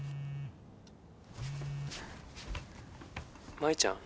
舞ちゃん。